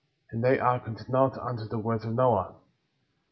^ And they hearkened not*' unto the words of Noah.